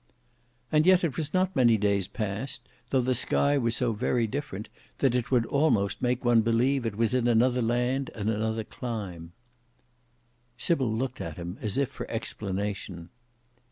"And yet it was not many days past; though the sky was so very different, that it would almost make one believe it was in another land and another clime." Sybil looked at him as if for explanation.